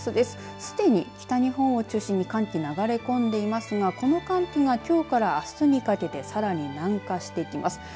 すでに北日本を中心に寒気が流れ込んでいますがこの寒気がきょうからあすにかけてさらに南下していきます。